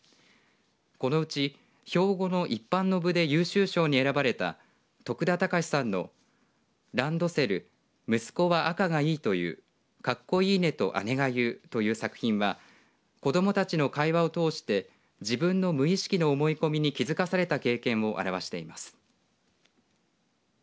このうち、標語の一般の部で優秀賞に選ばれた徳田尚志さんのランドセル息子は赤が良いと言うカッコ良いねと姉が言うという作品は子どもたちの会話を通して自分の無意識の思い込みに気付かされた経験を表しています。